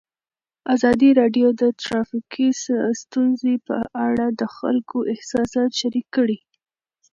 ازادي راډیو د ټرافیکي ستونزې په اړه د خلکو احساسات شریک کړي.